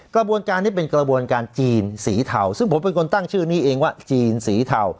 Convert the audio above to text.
กระบวนการนี้เป็นกระบวนการจีนสีเทาซึ่งผมเป็นคนตั้งชื่อนี้เองว่าจีนสีเทา